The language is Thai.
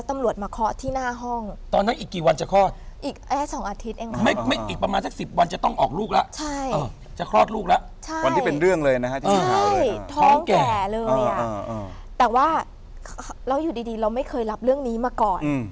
แต่ว่าเราอยู่ดีเราไม่เคยรับเรื่องนี้มาก่อน